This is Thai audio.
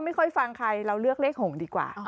ไม่ค่อยฟังใครเราเลือกเลข๖ดีกว่า